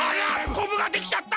コブができちゃった！